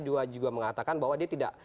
dia juga mengatakan bahwa dia tidak